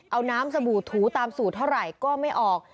เอาน้ำสบู่ถูตามสูตรเท่าไหร่ก็ไม่ออก